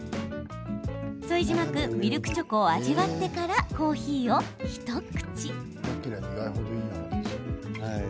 副島君、ミルクチョコを味わってからコーヒーを一口。